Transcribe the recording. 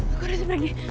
aku harus pergi